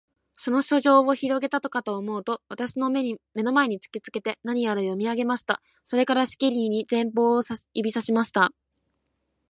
その書状をひろげたかとおもうと、私の眼の前に突きつけて、何やら読み上げました。それから、しきりに前方を指さしました。